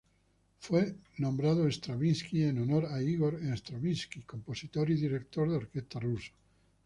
Fue nombrado Stravinsky en honor a Ígor Stravinski compositor y director de orquesta ruso.